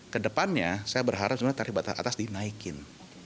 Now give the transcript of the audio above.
ke depannya saya berharap tarif batas atas dinaikin